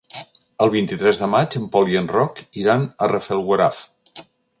El vint-i-tres de maig en Pol i en Roc iran a Rafelguaraf.